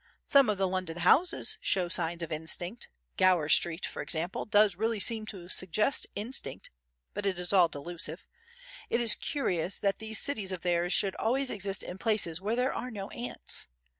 Some of the London houses show signs of instinct—Gower Street, for example, does really seem to suggest instinct; but it is all delusive. It is curious that these cities of theirs should always exist in places where there are no ants.